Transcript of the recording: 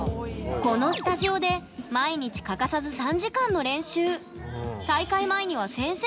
このスタジオで毎日欠かさず３時間の練習。